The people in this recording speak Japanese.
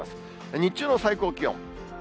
日中の最高気温。